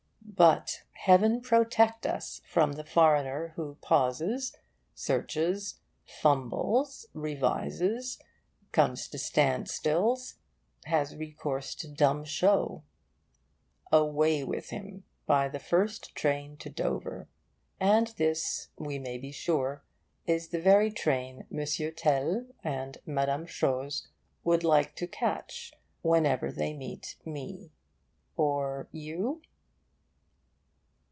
But heaven protect us from the foreigner who pauses, searches, fumbles, revises, comes to standstills, has recourse to dumb show! Away with him, by the first train to Dover! And this, we may be sure, is the very train M. Tel and Mme. Chose would like to catch whenever they meet me or you?